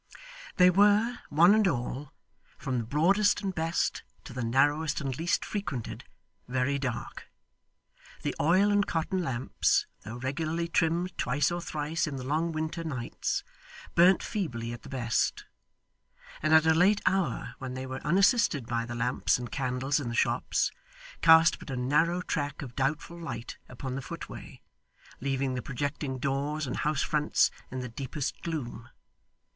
They were, one and all, from the broadest and best to the narrowest and least frequented, very dark. The oil and cotton lamps, though regularly trimmed twice or thrice in the long winter nights, burnt feebly at the best; and at a late hour, when they were unassisted by the lamps and candles in the shops, cast but a narrow track of doubtful light upon the footway, leaving the projecting doors and house fronts in the deepest gloom.